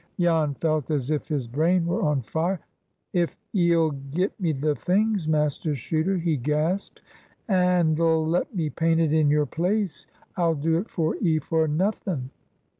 Jan felt as if his brain were on fire. "If 'ee'll get me the things, Master Chuter," he gasped, "and'll let me paint it in your place, I'll do it for 'ee for nothin'."